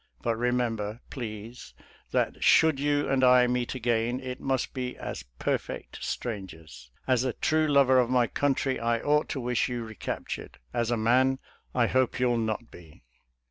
But remember, please, that should you and I meet again it must be as perfect strangers. As a true lover of my country I ought to wish you recaptured — as a man, I hope you'll not be."